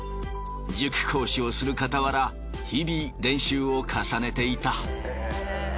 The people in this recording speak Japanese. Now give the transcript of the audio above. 塾講師をする傍ら日々練習を重ねていた。